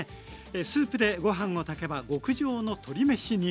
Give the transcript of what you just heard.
スープでご飯を炊けば極上の鶏めしに。